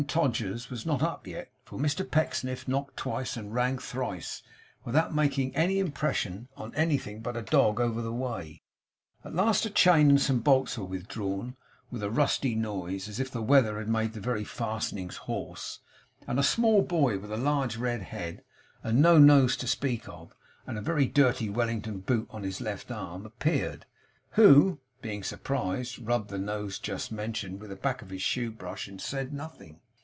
Todgers was not up yet, for Mr Pecksniff knocked twice and rang thrice, without making any impression on anything but a dog over the way. At last a chain and some bolts were withdrawn with a rusty noise, as if the weather had made the very fastenings hoarse, and a small boy with a large red head, and no nose to speak of, and a very dirty Wellington boot on his left arm, appeared; who (being surprised) rubbed the nose just mentioned with the back of a shoe brush, and said nothing.